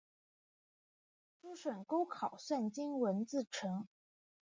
曾任秘书省钩考算经文字臣。